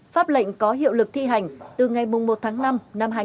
pháp lệnh có hiệu lực thi hành từ ngày một tháng năm năm hai nghìn hai mươi